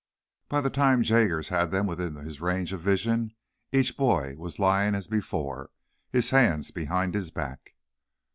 By the time Jaggers had them within his range of vision each boy was lying as before, his hands behind his back.